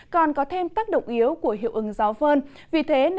còn có thêm tác động yếu của hiệu ứng giáo phân